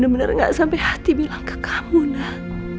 mama benar benar gak sampai hati bilang ke kamu nak